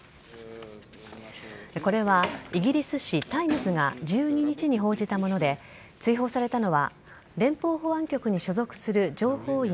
これはイギリス紙・タイムズが１２日に報じたもので追放されたのは連邦保安局に所属する情報員